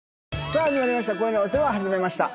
さあ始まりました。